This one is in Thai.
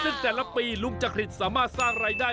ซึ่งแต่ละปีลุงจักริตสามารถสร้างรายได้